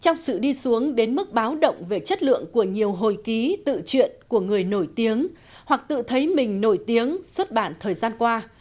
trong sự đi xuống đến mức báo động về chất lượng của nhiều hồi ký tự chuyện của người nổi tiếng hoặc tự thấy mình nổi tiếng xuất bản thời gian qua